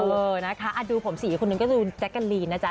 เออนะคะดูผมสีอีกคนนึงก็คือแจ๊กกะลีนนะจ๊